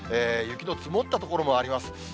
雪の積もった所もあります。